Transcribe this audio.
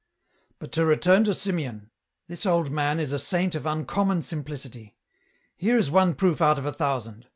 " But to return to Simeon ; this old man is a saint of uncommon simplicity. Here is one proof out of a thousand.